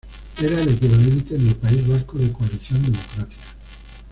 Era el equivalente en el País Vasco de Coalición Democrática.